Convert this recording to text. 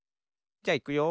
じゃいくよ。